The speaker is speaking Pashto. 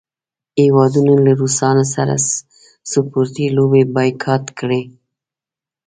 هیوادونو له روسانو سره سپورټي لوبې بایکاټ کړې.